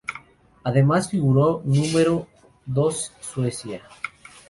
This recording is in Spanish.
Además, figuró número dos Suecia.